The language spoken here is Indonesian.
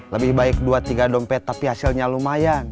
lebih baik dua tiga dompet tapi hasilnya lumayan